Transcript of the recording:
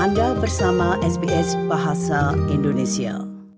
anda bersama sbs bahasa indonesia